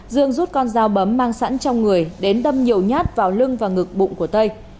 dương rút con dao bấm mang sẵn trong người đến đâm nhiều nhát vào lưng và ngực bụng của tây